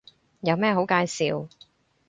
有咩好介紹